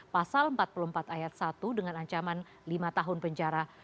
pasal empat puluh empat ayat satu dengan ancaman lima tahun penjara